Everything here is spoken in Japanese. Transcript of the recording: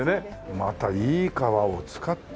またいい革を使ってるね。